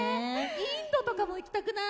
インドとかも行きたくない？